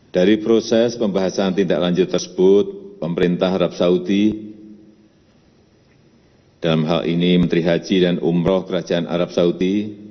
dari proses pembahasan tindak lanjut tersebut pemerintah arab saudi dalam hal ini menteri haji dan umroh kerajaan arab saudi